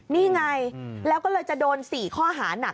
นี่ไงแล้วก็เลยจะโดน๔ข้อหานัก